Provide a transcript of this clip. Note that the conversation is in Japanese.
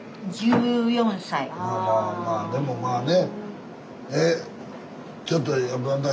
まあまあまあでもまあね。